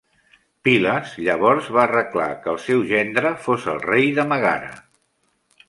Pylas llavors va arreglar que el seu gendre fos el rei de Mègara.